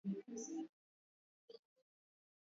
Maafisa walisema ni shilingi bilioni kumi na tatu